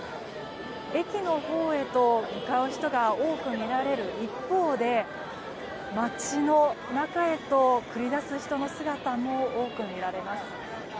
駅のほうへと向かう人が多く見られる一方で街の中へと繰り出す人の姿も多く見られます。